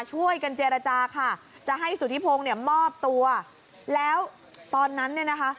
ช่วยกันเจรจาค่ะจะให้สุธิพงศ์เนี่ยมอบตัวแล้วตอนนั้นเนี่ยนะคะ